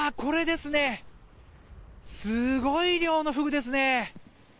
すごい量のフグですね！